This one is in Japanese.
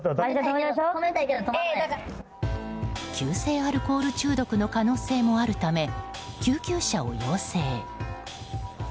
急性アルコール中毒の可能性もあるため、救急車を要請。